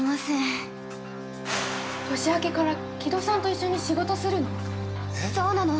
◆年明けから木戸さんと一緒に仕事するの？